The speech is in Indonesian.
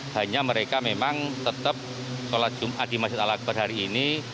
hanya mereka memang tetap sholat jumat di masjid al akbar hari ini